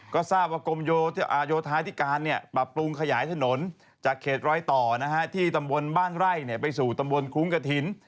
ก็ทราบว่ากรมโยธาธิการปรับปรุงขยายถนนจากเขตรอยต่อที่ตำบลบ้านไร่ไปสู่ตำบลคลุ้งกระถิ่น